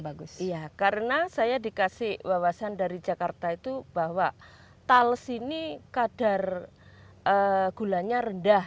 bagus iya karena saya dikasih wawasan dari jakarta itu bahwa tals ini kadar gulanya rendah